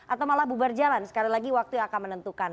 atau malah bubar jalan sekali lagi waktu yang akan menentukan